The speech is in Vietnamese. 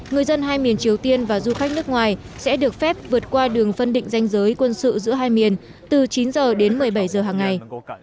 người dân hai miền triều tiên và du khách nước ngoài sẽ được phép vượt qua đường phân định danh giới quân sự giữa hai miền từ chín h đến một mươi bảy giờ hằng ngày